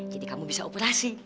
jadi kamu bisa operasi